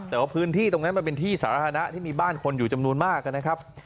แต่ว่าพื้นที่ตรงนั้นมันเป็นที่สาธารณะที่มีบ้านคนอยู่จำนวนมากนะครับ